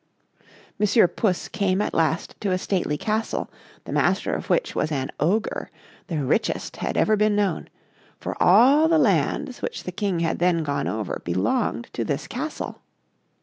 Monsieur Puss came at last to a stately castle, the master of which was an Ogre, the richest had ever been known; for all the lands which the King had then gone over belonged to this castle.